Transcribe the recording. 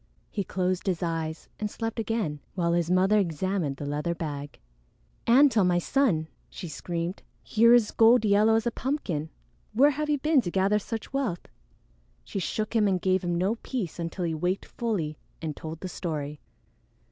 He closed his eyes and slept again, while his mother examined the leather bag. "Antone, my son!" she screamed. "Here is gold yellow as a pumpkin! Where have you been to gather such wealth?" She shook him and gave him no peace until he waked fully and told the story.